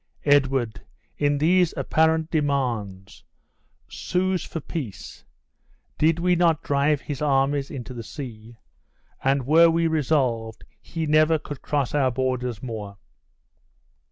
Edward, in these apparent demands, sues for peace. Did we not drive his armies into the sea? And were we resolved, he never could cross our borders more.